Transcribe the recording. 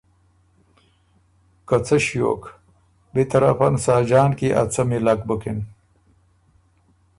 که څۀ ݭیوک، بی طرفن ساجان کی ا څمی لک بُکِن